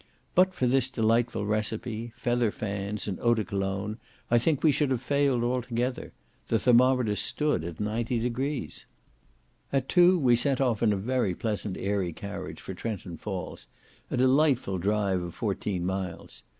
But for this delightful recipe, feather fans, and eau de Cologne, I think we should have failed altogether; the thermometer stood at 90 degrees. At two, we set off in a very pleasant airy carriage for Trenton Falls, a delightful drive of fourteen miles.